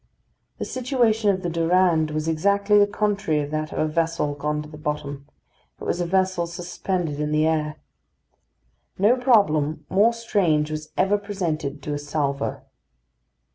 The situation of the Durande was exactly the contrary of that of a vessel gone to the bottom: it was a vessel suspended in the air. No problem more strange was ever presented to a salvor.